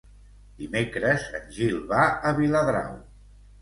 Dimecres en Gil va a Viladrau.